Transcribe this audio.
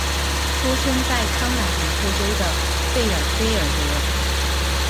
出生在康乃狄克州的费尔菲尔德。